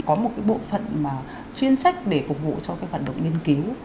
có một cái bộ phận mà chuyên trách để phục vụ cho cái hoạt động nghiên cứu